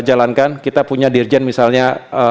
jalankan kita punya dirjen misalnya